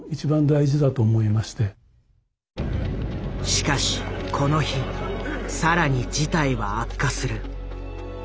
しかしこの日更に事態は悪化する。